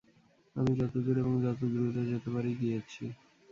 আমি যতদূর এবং যত দ্রুত যেতে পারি, গিয়েছি।